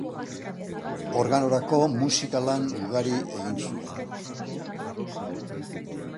Organorako musika-lan ugari egin zuen.